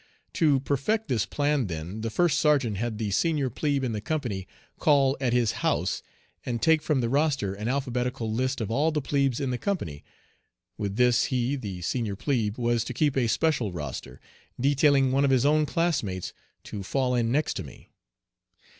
To perfect his plan, then, the first sergeant had the senior plebe in the company call at his "house," and take from the roster an alphabetical list of all the plebes in the company. With this he (the senior plebe) was to keep a special roster, detailing one of his own classmates to fall in next to me.